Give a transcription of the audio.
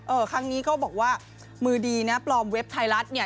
ครั้งนี้ก็บอกว่ามือดีนะปลอมเว็บไทยรัฐเนี่ย